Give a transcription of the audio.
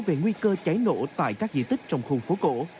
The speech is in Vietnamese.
về nguy cơ cháy nổ tại các di tích trong khu phố cổ